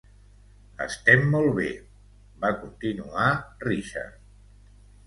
"Estem molt bé", va continuar Richard.